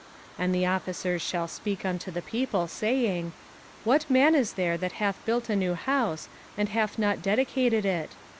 05:020:005 And the officers shall speak unto the people, saying, What man is there that hath built a new house, and hath not dedicated it?